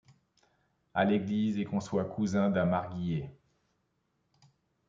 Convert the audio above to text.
À l’église, et qu’on soit cousin d’un marguillier